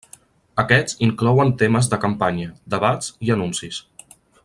Aquests inclouen temes de campanya, debats i anuncis.